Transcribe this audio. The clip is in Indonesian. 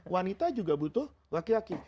wanita juga butuh laki laki